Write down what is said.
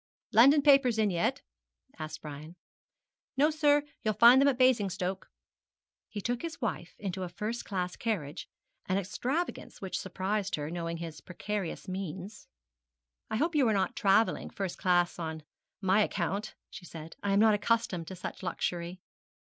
'London papers in yet?' asked Brian. 'No, sir. You'll get them at Basingstoke.' He took his wife into a first class carriage an extravagance which surprised her, knowing his precarious means. 'I hope you are not travelling first class on my account,' she said; 'I am not accustomed to such luxury.'